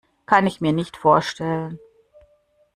Kann ich mir nicht vorstellen.